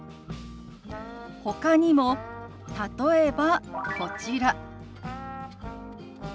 ほかにも例えばこちら。